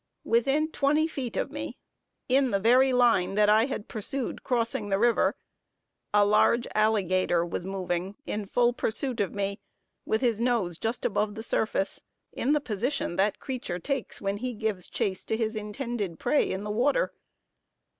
Within twenty feet of me, in the very line that I had pursued in crossing the river, a large alligator was moving in full pursuit of me, with his nose just above the surface, in the position that creature takes when he gives chase to his intended prey in the water.